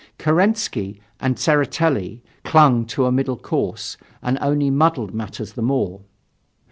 Kerensky and Tseretelli clung to a middle course and only muddled matters the more.